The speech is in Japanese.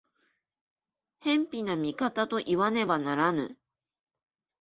偏頗な見方といわねばならぬ。